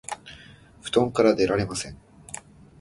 布団から出られません